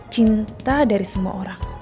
cinta dari semua orang